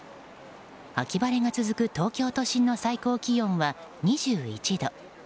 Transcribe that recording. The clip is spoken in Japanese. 秋晴れが続く東京都心の最高気温は２１度。